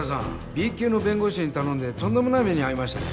Ｂ級の弁護士に頼んでとんでもない目に遭いましたね